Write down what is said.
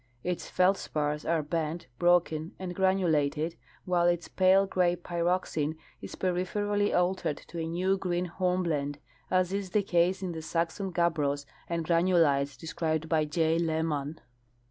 Its feldspars are bent, broken and granulated, while its pale gray pyroxene is peripherally altered to a new green horn blende, as is the case in the Saxon gabbros and granulites de scribed by J. Lehmann.